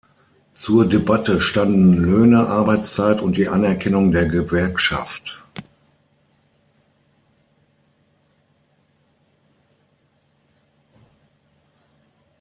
Zur Debatte standen Löhne, Arbeitszeit und die Anerkennung der Gewerkschaft.